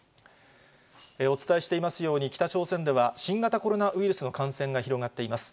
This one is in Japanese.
お伝えしていますように、北朝鮮では、新型コロナウイルスの感染が広がっています。